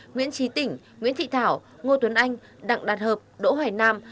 nguyễn trí tỉnh nguyễn thị thảo ngô tuấn anh đặng đạt hợp đỗ hoài nam